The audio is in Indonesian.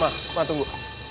ma ma tunggu